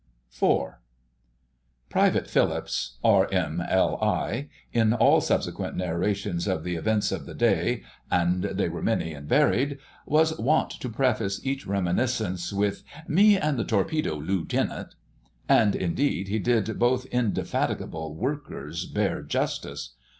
*IV.* Private Phillips, R.M.L.I., in all subsequent narrations of the events of the day—and they were many and varied—was wont to preface each reminiscence with "Me an' the Torpedo Lootenant..." And indeed he did both indefatigable workers bare justice.